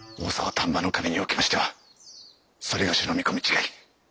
丹波守におきましては某の見込み違い。